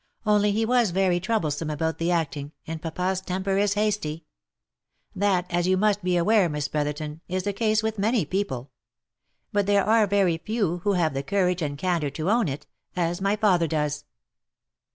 Only he was very troublesome about the acting, and papa's temper is hasty. That, as you must be aware, Miss Brotherton, is the case with many people ; but there are very few who have courage and candour to own it, as my father does.